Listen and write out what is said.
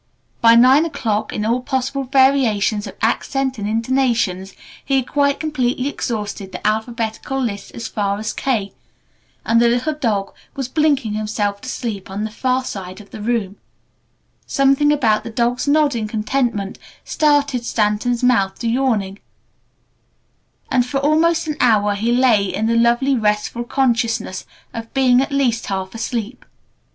By nine o'clock, in all possible variations of accent and intonation, he had quite completely exhausted the alphabetical list as far as "K." and the little dog was blinking himself to sleep on the far side of the room. Something about the dog's nodding contentment started Stanton's mouth to yawning and for almost an hour he lay in the lovely, restful consciousness of being at least half asleep.